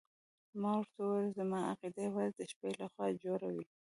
ما ورته وویل زما عقیده یوازې د شپې لخوا جوړه وي.